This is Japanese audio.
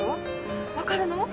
分かるの？